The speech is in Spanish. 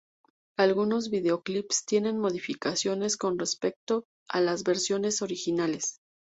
Algunos videoclips tienen modificaciones con respecto a las versiones originales.